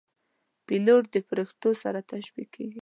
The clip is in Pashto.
پیلوټ د پرښتو سره تشبیه کېږي.